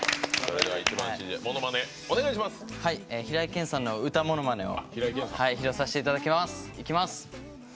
平井堅さんの歌ものまねを披露させていただきます。